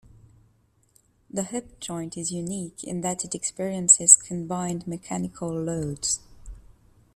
The hip joint is unique in that it experiences combined mechanical loads.